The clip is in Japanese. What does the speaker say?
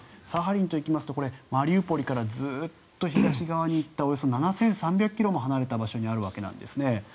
サハリンというとマリウポリからずっと東側に行ったおよそ７３００ｋｍも離れた場所にあるわけなんですね。